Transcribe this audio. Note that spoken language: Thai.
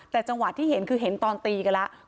แต่จังหวะที่เห็นคือเห็นตอนตีกันแล้ว